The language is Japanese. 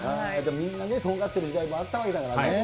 みんなとんがってる時代もあったわけだからね。